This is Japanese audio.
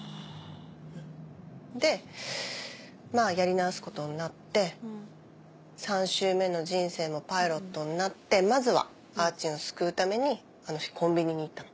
でやり直すことになって３周目の人生もパイロットになってまずはあーちんを救うためにあの日コンビニに行ったの。